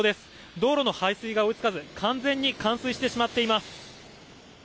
道路の排水が追いつかず、完全に冠水してしまっています。